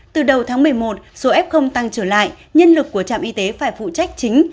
từ đầu tháng một mươi một số f tăng trở lại nhân lực của trạm y tế phải phụ trách chính